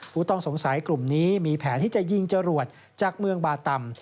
ผู้ต้องสงสัยกลุ่มนี้มีแผนที่จะยิงจรวดจากเมืองบาตำ